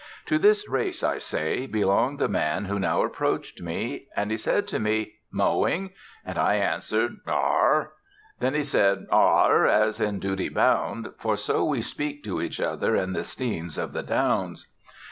To this race, I say, belonged the man who now approached me. And he said to me, "Mowing?" And I answered, "Ar." Then he also said "Ar," as in duty bound; for so we speak to each other in the Stenes of the Downs.